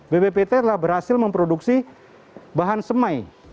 bppt telah berhasil memproduksi bahan semai